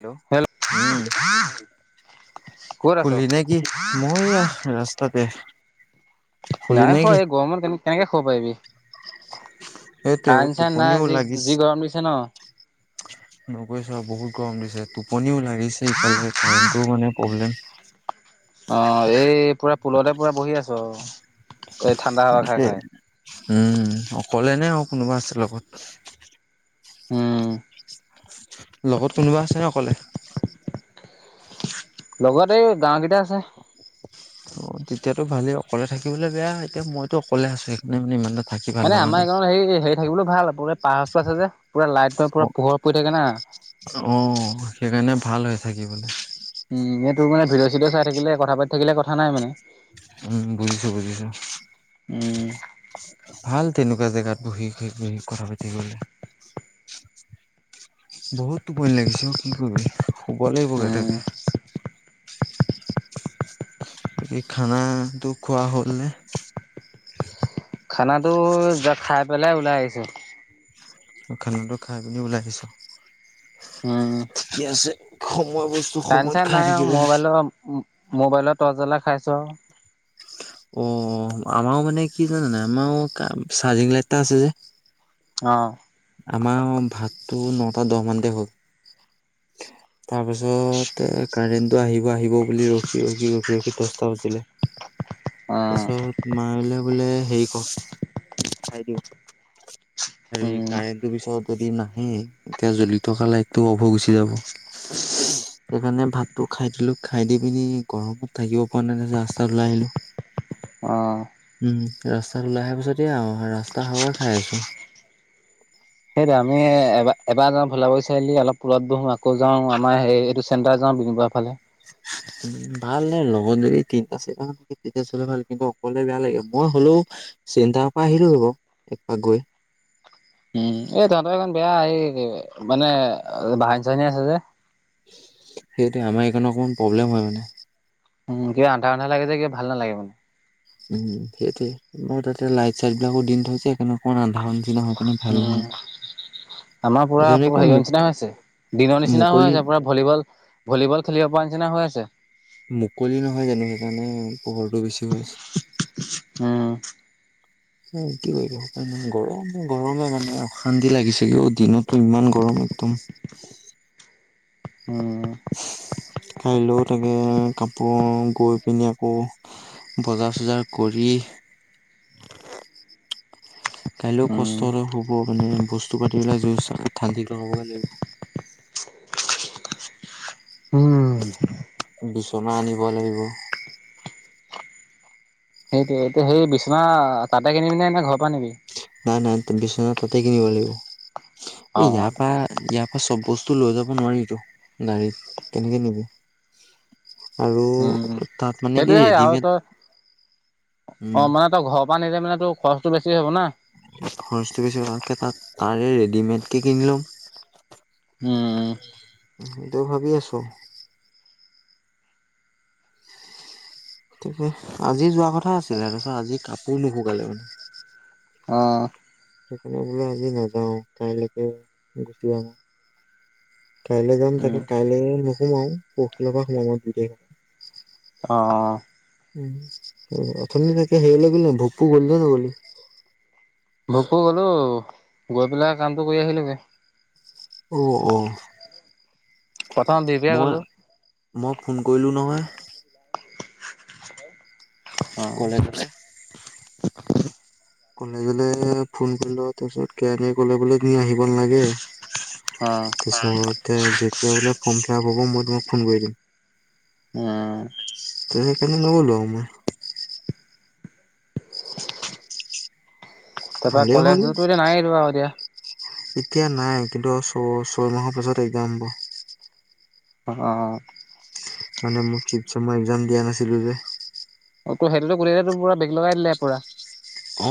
Hello উম! ক'ত আছ? খুলি নে কি? মই আহ ৰাস্তাতে শুলি নাই নে খ কি এই গৰমত কে কেনেকে খাব পাৰিবি? সেইটোৱে অ কাৰেণ্ট চাৰেণ্ট নাই টোপনিও যি যি গৰম দিছে ন নকৈছ বহুত গম দিছে। টোপনিও লাগিছে ইফালে কাৰেণ্টটো মানে প্ৰব্লেম অ এই পুৰা পুলতে পুৰা বহি আছো আৰু সেইটোয় উম অকলে নে আৰু কোনোবা আছে লগত আহ! লগত কোনোবা আছে ন অকলে লগতে এই গাৱ কেইটা আছে। অ তেতিয়াতো ভালেই অকলে থাকিবলৈ বেয়া এতিয়া মইতো অকলে আছো সেইকাৰণে মানে ইমান থাকি ভাল মানে লগা আমাৰ নাই এইখনত হে হেৰি থাকিবলৈও ভাল প পাহ পছে যে পুৰা লাইট অ পুৰা পোহৰ পৰি থাকে না অ সেইকাৰণে ভাল হৈ থাকিবলৈ উম এ তোৰ মানে ভিডিঅ চিডঅ চাই থাকিলে কথা পাতি থাকিলে কথা নাই মানে, উম বুজিছো বুজিছো। উম! ভাল তেনেকুৱা জেগাত বহি বহি কথা পাতি গলে, বহুতোপন লাগিছে অ' কি কৰিবি উম, শুব [unintelligible] খানাটো, খোৱা হ'ল নে? খানাটো, জাষ্ট খাই পেলাই ওলাই আহিছো। খানাটো, খাই পিনি ওলাই আহিছো। উম ঠিকে আছে সময় বস্তু কাৰেণ্ট সময়ত চাৰেণ্ট খাই নাই থাকিব আৰু, লাগে। মোবাইলৰ-মোবাইলৰ টৰ্চ জ্বলাই খাইছো আৰু। অ', আমাৰও মানে কি জানানে, আমাৰো চাৰ্জিং লাইট এটা আছে যে। অ', আমাৰ আউ ভাতটো, ন'টা দহ মানতে হল। তাৰ পিছত কাৰেণ্টটো আহি আহিব বুলি ৰখি ৰখি ৰখি ৰখি দশটা বজিলে, অ'। তাৰছত মায়লে বোলে হেৰি কৰ, খাই দিওঁ, হেৰি উম কাৰেণ্টটো পিছত যদি নাহে, এতিয়া জ্বলি থকা লাইটটো অভ হৈ গুচি যাব। সেইকাৰণে ভাতটো খাই দিলো, খাই দি পিনি গৰমত থাকিব পৰা নাই ন, ৰাস্তাত ওলাই আহিলো। অ উম, ৰাস্তাত ওলাই অহা পিছতে আউ ৰাস্তাৰ হাৱা খাই আছো। [unintelligible] সেইটো আমি এবাৰ-এবাৰ যাওঁচাৰিআলি অলপ পূৰত বহো, আকৌ যাও আমাৰ হে এইটো চেণ্টাৰ যাওঁ [unintelligible] ফালে ভাল নে লগত যদি তিনিটা চাৰিটা তেতিয়া চলে ভাল, কিন্তু অকলে বেয়া লাগে, মই হলেও চিন্তাৰ পৰা আহিলো [unintelligible] আগুৰি। উম, এই তহতৰ এখন বেয়া এই মানে বাহন চাহনি আছে যে সেইটোৱে, আমাৰ এইকাৰণে অকন প্ৰব্লেম হয় মানে। উম, কিবা আন্ধাৰ আন্ধাৰ লাগে যে কিবা ভাল নালাগে মানে। উম, সেইটোৱে মই তাতে লাইট চাইট বিলাকো দিন থৈছে এইকাৰণে আন্ধাৰ [unintelligible] উম ভাল নহয়। আমাৰ পুৰা এজনে আকৌ হেৰি নিচিনা হৈছে। দিনৰ নিচিনা মুকলি হই, তাৰ পৰা ভলীবল-ভলীবল খেলিব পৰা নিচিনা হৈ আছে। মুকলি নহয় জানো, সেইকাৰণে পোহৰটো বেছি হয় আছে। উম। কি কৰিবি গৰম-গৰমে মানে অশান্তি লাগিছে কি অ, দিনতো ইমান গৰম তুম [inaudible] উম খাই লওঁ তাকে আকৌ, গৈ পিনি আকৌ বজাৰ চজাৰ কৰি [unintelligible] কাইলেও উম কষ্ট ৰ' হ'ব, মানে বস্তু পাতি পেলাই জুই [unintelligible] [unintelligible] উম বিচনা আনিব লাগিব। সেইটোৱে, এতিয়া সেই বিচনা তাতে কিনিবি নে, নে ঘৰ পৰা নিবি? নাই নাই বিবনা তাতেই কিনিব লাগিব, অ এই ইয়াৰ পৰা, ইয়া চব বস্তু লৈ যাব নোৱাৰিতো, গাড়ীত কেনেকে নিবি? আৰু, উম তাত মানে কি সেইটোৱে হয় আৰু ৰেডিমেড তই অ', উম মানে তই ঘৰৰ পৰা নিলে মানে তোৰ খৰচটো, বেছি হবনা? খৰচটো বেছি হোৱাতকে তাত ৰেডিমেডকে কিনি লম। উম সেইটো ভাবি আছো। তে আজি যোৱা কথা আছিলে, তাৰপিছত আজি কাপোৰ নুশুকালে মানে। অ', সেইকাৰণে বোলো আজি নেযাও, কাইলৈকে গুচি আহিম। কাইলৈ যাম, উম তাকে কাইলৈ নোসোমাও, পৰখিলে পৰা সুমাম আউ, দুই তাৰিখ। অ', উ অথম তাকে হেইলে বুলি ন ভকো গল ন বুলি ভকো গলো গৈ পেলাই কামটো কৰি আহিলগে অ অ প্ৰথম বিবিয়া মই গলো মই ফোন কৰিলো নহয় অ কলে কলে কলেজলে ফোন কৰি তাৰ পিছত কেৰাীয়ে ক'লে বোলে আহিব অ নালাগেতিাক খ খৰা হ'ব মই তোমাক ফোন কৰি দিম উম ত কনে নব'লো আই তাৰ পৰাৰা ভালেই হ'ল কলেজতো এতিয়া নাই আৰু এতিয়া এতিয়া নাই কিন্তু ছ ছয় মাহৰ পিছত একদম হব অ মানে মোক িচ মই একজাম দিয়া নাছিলো যে অ ত সেহতেতো কোলেটো পুৰা বেগ লগাই দিলে পুৰা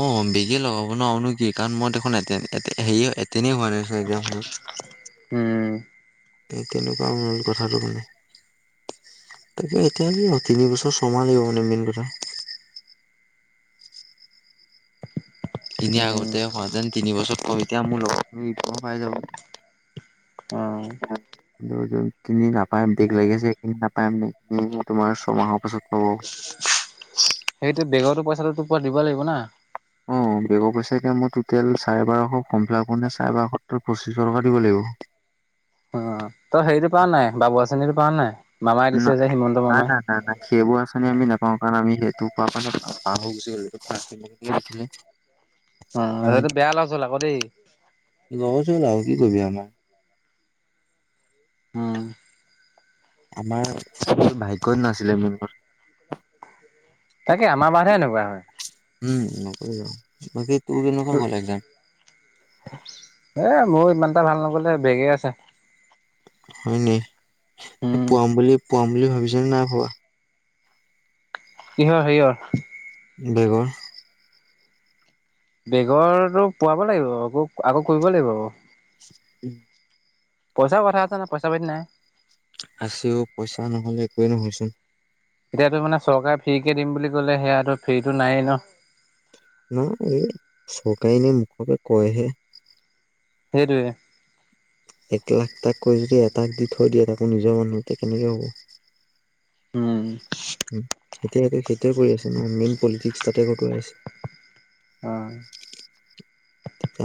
অ বেগে লগাব নোৱাৰোনো কি কাৰণ মই দেখোন এতে-এতে-হেৰি-এত তেনেই হোৱা নাই চাগে এ হময় তে উম, এই তেনেকুৱা মূল কথাটো মানে। তাকে এতিয়া তিনিবছৰ ছময় লাগিব মানে মেইন কথা। এনে উম আগতে হোৱাতেন তিনি বছৰত কম এতিয়া মোৰ লগৰখিনি প-পাই যাব। অ। যোনখিনি নাপায় বেগ লাগিছে সেইখিনি নাপাই মানে তোমাৰ ছমাহৰ পাছত পাব। [inaudible] সেইটো বেগৰতো পইচাটো তোৰপৰা দিব লাগিব না। অ', বেগৰ পইচাে এতিয়া মই টুটেল চাৰে বাৰশ ফৰ্ম ফিলাপ কৰোঁতে চাৰে বাৰসত্তৰ পঁচিশ টকা দিব লাগিব। উ, তই হেৰিটো পোৱা নাই বাবু আচনিটো পাওঁ নে নাই? মামাই ন, দিছে যে হিমন্ত না মামাই না না সেইবোৰ আঁচনি আমি নাপ অ, কাৰণে আমি সেইটো পা মানে পাহ গুচি আহিলোঁ অ [unintelligible] আমি, সেইটো বেয়া লছ হ'ল আকৌ দেই ৰচোন আৰু কি কৰিবি আমাৰ। উম, আমাৰ ভাগ্যত নাছিলে মোৰ ম তাকে আমাৰ বাৰহে এনেকুৱা হয়। [unintelligible] ত, গ'ল এক্সাম এ মোৰ ইমান এটা ভাল নগলে, বেগে আছে। হয়নি, উম পোৱাম বুলি পোৱাম বুলি ভাবিছ নে নাই ভবা? কিহৰ হেৰিহৰ। বেগৰ। বেগৰটো পোৱাব লাগিব আকৌ-আকৌ কৰিব লাগিব। উম, পইচাৰ কথা আছে ন, পইচা পাতি নাই। আছেও পইচা নহলে একোৱে নহয়চোন। এতিয়াতো মানে চৰকাৰে ফ্ৰী কে দিম বুলি কলে হেয়াটো ফ্ৰীটো নায়ে ন? ন, এই চকায়েই নে মুখৰপা কয়হে। সেইটোৱে। এক লাখ তাককৈ যদি এটাক দি থৈ দিয়ে তাকো নিজৰ মানুহ নুটে কেনেকৈ হ'ব? উম, এতিয়ে তু সেইটোৱে কৰি আছে ন মেইন পলিটিক্স তাতে খটোৱাই আছে। অ,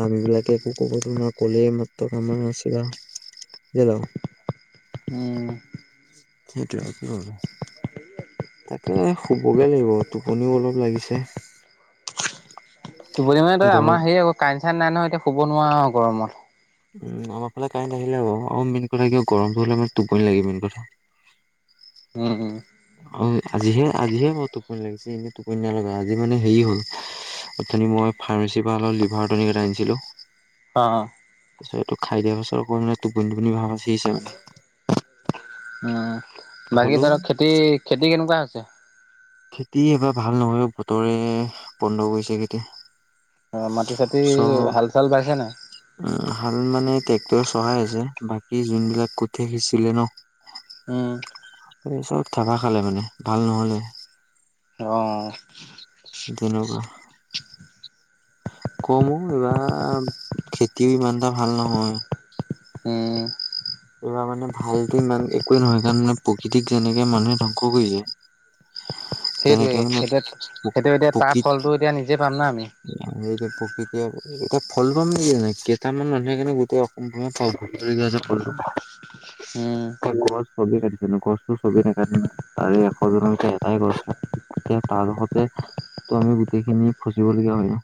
আমি বিলাকে একো ক'ব তো নোৱাৰোঁ ক'লেই এ, মাত্ৰ কামাৰ নিছিলা [unintelligible] উম, সেইটোৱে আৰু তাকে, শুব'গে লাগিব টোপনিও অলপ লাগিছে। টোপনি মানে তই গৰম আমাৰ হে আকৌ কাৰেইন চাইন নাই নহয়, এতিয়া শুব নোৱাৰোঁ আৰু গৰমত। উম, অ, আমাৰ ফালে কাৰেণ্ট আহিলে হ'ব অ, মেইন কথা মানে কিয় গৰমটো হলে মানে টোপনি লাগে মেইন কথা। উম, উম অ আজিহে আজিহে বৰ টোপনি লাগিছে এনে টোপনি নলগা আজি মানে হেৰি হ'ল অথনি মই ফাৰ্মাচিৰপৰা অলপ লিভাৰটনিকেটা আনিছিলোঁ। অ, তাৰপিছত এইটো খাই দিয়া পাছৰ অকৌ মানে টোপনি টোপনি ভাব বাচিছে মানে উ, বাকী হ'লেও ধৰক খেতি, খেতি কেনেকুৱা হৈছে? খেতি এবাৰ ভাল নহয় অ', বতৰে বন্ধ কৰিছে খেতি। অ, মাটি চাটি চব হাল চাল বাইছে নেই? তো চহাই আছে, বাকী যোনবিলাক কোঠে সিঁচিলে ন উম এই চব থাবা খালে মানে ভাল নহলে অ তেনেকুৱা কমো এইবাৰ খেতিও ইমানটা ভাল নহয় উম এইবাৰ মানে ভালতো ইমান একোৱে নহয় কাৰণ মানে প্ৰকৃতিক যেনেকে মানুহে ধ্ববংস কৰিছে সেইটোৱে তেনেকে মানে এতিয়া সেইটো এতিয়া তাৰ ফলটো এতিয়া নিজে পাম না আমি প্ৰকৃতি প্ৰকৃতি এতিয়া ফল পাম নে কেইটামান মানুহে কাৰণে গোট অসম পা ফলটো হুম গছ চবি কাটিছেো গছো চবি নাকাট নো তাৰে এশজনলৈকে এটাই গছ এতিয়া তো আমি গোটেইখিনি খচিবলগীয়া হয় ন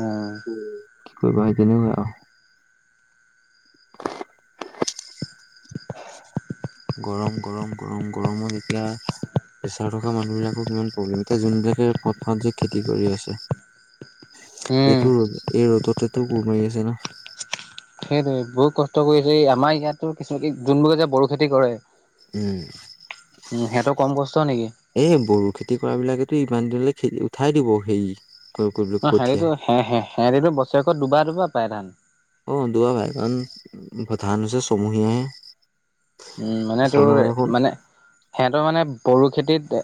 উম কি কৰিবা তেনেকুৱাই আৰু [inaudible] গৰম গৰম গৰম গৰমো যেতিয়া প্ৰেচাৰ থকা মানুহবিলাকৰ কিমান প্ৰব্লেম এতিয়া যোনবিলাকে পথাৰত যে খেতি কৰি আছে উম এইটো ৰ এই ৰ'দততেতো কোৰ মাৰি আছে ন সেইটোয়ে বহুত কষ্ট কৰিছে এই আমাৰ ইয়াতো কিছুমান যোনবোৰকে যে বড়ো খেতি কৰে উম উম সিহঁতৰ কম কষ্ট নেকি এই বড়ো খেতি কুকুৰা বিলাকেতো ইমান দিনলৈ খেদি উঠাই দিব হেৰি অ কঠীয়া হেৰিটো হেৰিটো বছৰেকত দুবাৰ দুবাৰ পায় ধান অ দুবাৰ পাই কাৰণ ধান ছমহীয়াহে উ মানে তোৰ ছমাহ দেখোন মানে সিহঁতৰ মানে ব খ ধ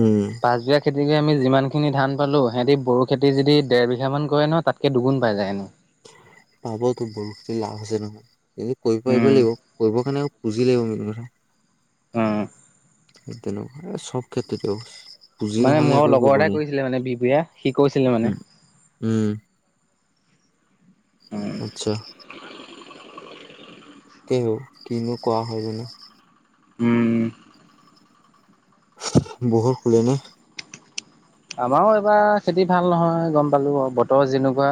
উম খ যিমান খিনি ধান পালো সিহঁতি বড়ো খেতি যদি ডৰ বিঘা মান কৰে নহয় তাতকে দুুগু পাই যায়। পাব তোৰ বড়োখিনি লাভ হৈছে নহয় কৰিব পাৰিব উম লাগিব কৰিব কাৰণে পুজি লাগিব মেইন কথা অ তেনেকুৱা সব ক্ষেত্ৰত তো পুজি মানে নহলে মোৰ একোৱে লগৰ কৰিব এটাই কৰিছিলে মানে বিবুয়া সি কৈছিলে নোৱাৰি মানে উম উম আচ্ছা কেহ কিনো কোৱা হয় জানো উম বহক খুলিম হে আমাৰো এইবাৰ খেতি ভাল নহয় গম পালো বতৰ যেনেকুৱা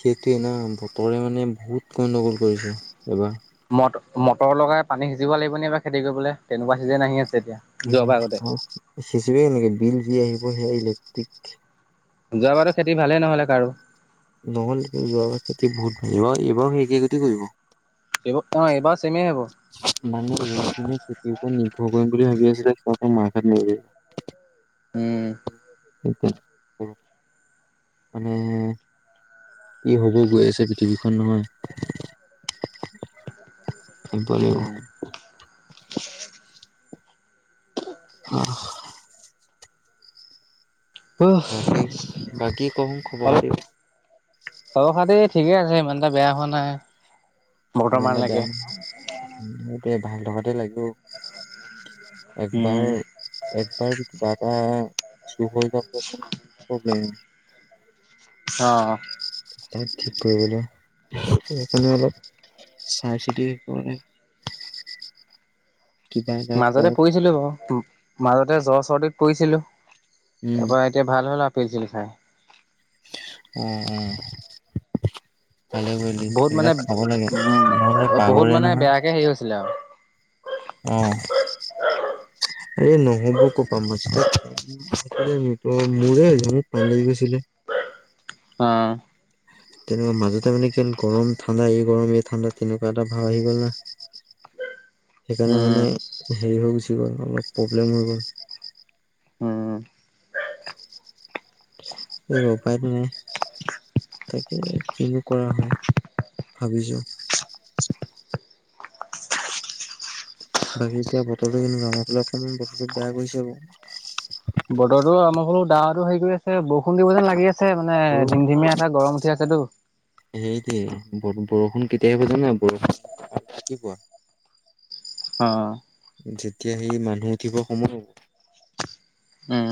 সেইটোৱে ন বতৰে মানে বহুত গণ্ডগোল কৰিছে এবাৰ ম মটৰ লগাই পানী সিজিব লাগিব নে বাাৰ খেতি কৰিবলৈ তেনেকুৱা চিজেন আহি আছে। এতিয়া। যোৱাবাৰ আগতে উ সিচে কেনেকে বিল যি আহিব সেয়া ইলেক্ট্ৰিক যোৱাবাৰো খেতি ভালে নহলে কাৰো। নহলে যোৱা বহুত ভাল এইবাৰ সেই একেইট কৰিব এইব অ এইবাৰ আ মানুহে খেতিৰ ওপৰত নিৰ্ভৰ কৰিম বুলি ভাবি আছিলে। ক মখ ন' উম! মানে ই হ'ব গৈ আছে পৃথিৱীখন নহয়। [inaudible] অলপ উম। আহ বাকী বাকী কোন খবৰ খাতি? অ খাাদ ঠিকে আছে ইমানটা বেয়া হোৱা নাই। ইমানটা বেয়া বৰ্তমানলৈকে। নাই ভাল থকাতে লাগে। উম একবাৰ একবাৰ কিবা এটা। চুহৈব প্ৰ প্ৰব্লেম অ' তাত ঠিক কৰিবলৈ সেইকাৰণে অলপ চাই চিৰি ক [inaudible] মাজতে কওঁ পৰিছিলো বাৰু মাজতে জ্বৰ চৰ্দত পৰিছিলো। উম তাৰপৰা এতিয়া ভাল হ'ল আৰু পেঞ্চিল খাই উম উ ভালে কৰিলি বহুত মানে সবিলাক খাব লাগে উম নহলে বহুত বাগৰে মানে বেয়াকে নহয় হেৰি হৈছিলে আৰু আহ! [inaudible] এই নহ'ব কপা মছিল তো মোৰে এজনক পানী লাগি গৈছিলে। অ'। তেনেকুৱা মাজতে মানে কিল গৰম ঠাণ্ডা এই গৰম এই ঠাণ্ডা তেনেকুৱা এটা ভাৱ আহি গ'ল না উম সেইকাৰণে মানে হেৰি হৈ গুচি গ'ল অলপ প্ৰব্লেম হৈ গ'ল উম। এই বপাৰ ন তাকে কিনো কৰা হয় ভাবিছো বাকী এতিয়া বতৰটো কেমাৰ ফে অকণমান বতৰটো বেয়া কৰিছে বাৰু বতৰো আমাৰ ফলো দাটো হেৰি কৰি আছে, বৰষুণ দিব যেন লাগি আ আছে মানে ধিম ধিমীয়া এটা গৰম উঠি আছেতো সেইটো বৰষুণ কেতিয়িব জ ন বৰষুণ কি কোৱা অ যেতিয়া সি মানুহ উঠিব সময় হ'ব উম!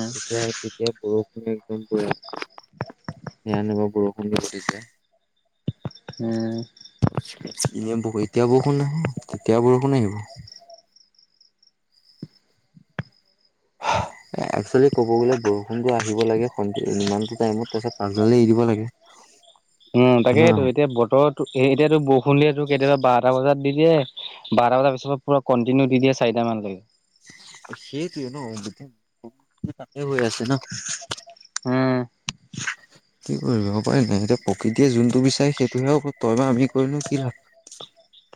এতিয়া বৰষুণো একদম বু় নঞ নবা বৰষুণ দি ঘিছে উম। এনে এতিয়া বৰষুণ আহিব তেতিয়া বৰষুণ আহিব [inaudible] একচোৱেলি কব গ'লে বৰষুণো আহিব লাগে সন ইমানটো টাইমত তাৰপিছত পাছজালে এৰি দিব লাগে উ হয়নে তাকেইেতটো নহয়? এতিয়া বতো এতিয়াতো বৰষুণ দিয়েতো কেতিয়াবা বাৰটা বজাত দি দিয়ে বাৰ বজাৰ পিছত পুৰা কণ্টিনিউ দি দিয়ে চাৰিটা মানলৈকে সেইটোৱে ন তে হৈ আছে ন উম কি কৰিব পাৰি ন এতিয়া প্ৰকৃতিয়ে যোনটো বিচাৰে সেইটোহে তই বা আমি কৰিলো কি লাভ [inaudible]